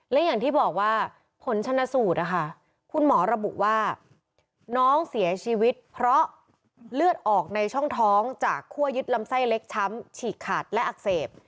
และอย่างที่บอกว่าผลชนสูตรนะคะคุณหมอระบุว่าน้องเสียชีวิตเพราะเลือดออกในช่องท้องจากคั่วยึดลำไส้เล็กช้ำฉีกขาดและอักเสบ